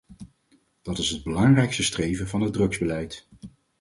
Dat is het belangrijkste streven van het drugsbeleid.